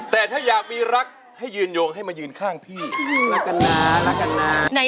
แต่ถ้าอยากมีรักให้ยืนโยงให้มายืนข้างพี่